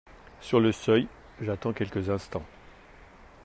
Sur le seuil, j’attends quelques instants.